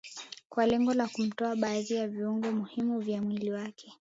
kwa lengo la kumtoa baadhi ya viungo muhimu vya mwili wake